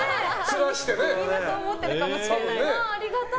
みんなそう思っているかもしれないです。